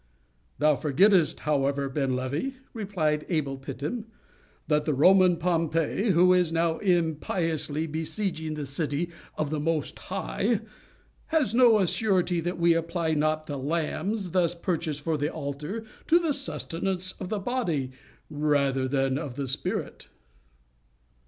"Thou forgettest, however, Ben Levi," replied Abel Phittim, "that the Roman Pompey, who is now impiously besieging the city of the Most High, has no assurity that we apply not the lambs thus purchased for the altar, to the sustenance of the body, rather than of the spirit."